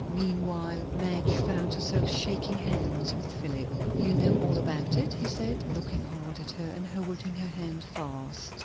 Meanwhile Madge found herself shaking hands with Philip. "You know all about it?" he said, looking hard at her, and holding her hand fast.